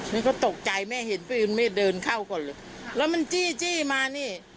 มันก็ตกใจแม่เห็นปืนไม่เดินเข้าคนแล้วมันจี้มานี่